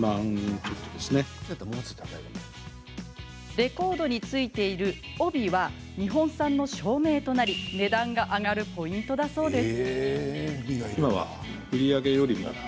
レコードに付いている帯は日本産の証明となり値段が上がるポイントだそうです。